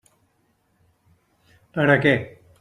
Per a què?